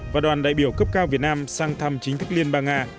và đoàn đại biểu cấp cao việt nam sang thăm chính thức liên bang nga